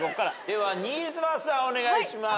では新妻さんお願いします。